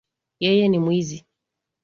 Yeye ni mwizi